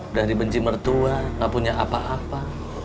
udah dibenci mertua nggak punya apa apa